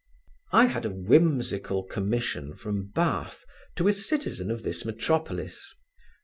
I had a whimsical commission from Bath, to a citizen of this metropolis.